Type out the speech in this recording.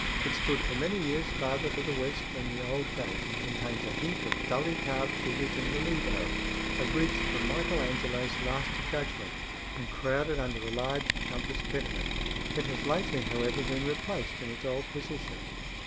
It stood for many years farther to the west than the old gate, and contains a heap of dully carved figures in relievo, abridged from Michael Angelo's "Last Judgment," and crowded under a large "compass pediment." It has lately, however, been replaced in its old position.